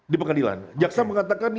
di pengadilan jaksa mengatakan